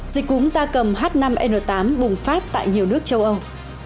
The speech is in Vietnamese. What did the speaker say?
dịch cúng gia cầm h năm n tám bùng phát tại nhiều nước châu âu